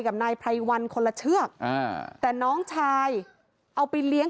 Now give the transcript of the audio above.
กับนายไพรวันคนละเชือกอ่าแต่น้องชายเอาไปเลี้ยง